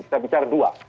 kita bicara dua